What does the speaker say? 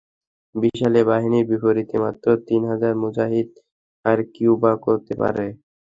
বিশাল এ বাহিনীর বিপরীতে মাত্র তিন হাজার মুজাহিদ আর কিইবা করতে পারে।